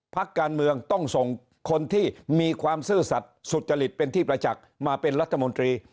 พักการเมืองต้องส่งคนที่มีความซื่อสัตว์สุจริตเป็นที่ประจักษ์มาเป็นรัฐมนตรี